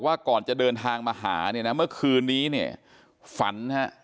แม่น้องชมพู่แม่น้องชมพู่แม่น้องชมพู่แม่น้องชมพู่